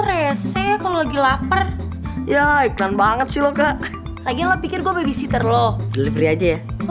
rese kalau lagi lapar ya iklan banget sih lo kak lagi lo pikir gue babysitter loh delivery aja ya